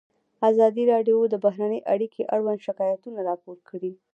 ازادي راډیو د بهرنۍ اړیکې اړوند شکایتونه راپور کړي.